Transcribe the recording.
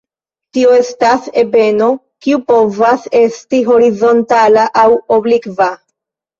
Tio estas ebeno, kiu povas esti horizontala aŭ oblikva.